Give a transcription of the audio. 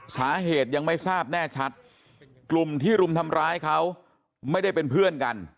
สาเหตุยังไม่ทราบแน่ชัดกลุ่มที่รุมทำร้ายเขาไม่ได้เป็นเพื่อนกัน